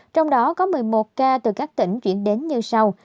trong đó có một mươi một ca từ các tỉnh chuyển đến như sau